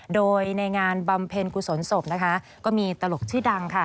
โดยในงานบำเพ็ญกุศลศพนะคะก็มีตลกชื่อดังค่ะ